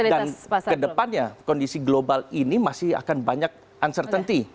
dan kedepannya kondisi global ini masih akan banyak uncertainty